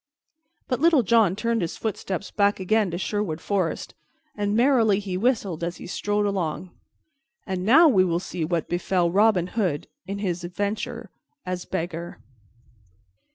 But Little John turned his footsteps back again to Sherwood Forest, and merrily he whistled as he strode along. And now we will see what befell Robin Hood in his venture as beggar.